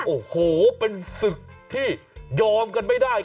โอ้โหเป็นศึกที่ยอมกันไม่ได้